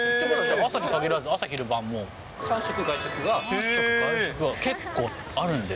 朝に限らず、朝昼晩も、３食外食が結構あるんです。